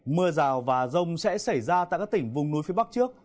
mưa rào và rông sẽ xảy ra tại các tỉnh vùng núi phía bắc trước